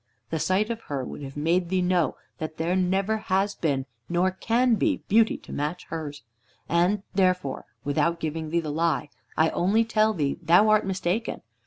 The sight of her would have made thee know that there never has been, nor can be, beauty to match hers. And therefore, without giving thee the lie, I only tell thee thou art mistaken.